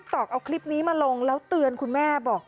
ตอกเอาคลิปนี้มาลงแล้วเตือนคุณแม่บอก